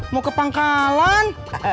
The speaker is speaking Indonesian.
mau ke pangkalan